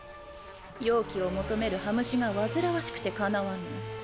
妖気を求める羽虫が煩わしくてかなわぬ。